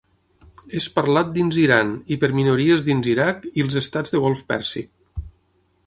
És parlat dins Iran i per minories dins Iraq i els estats de Golf Pèrsic.